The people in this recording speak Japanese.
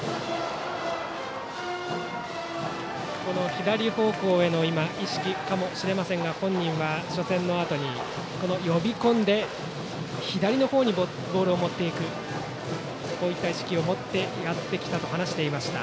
左方向への意識かもしれませんが本人は初戦のあとに呼び込んで左の方にボールを持っていく意識を持ってやってきたと話していました。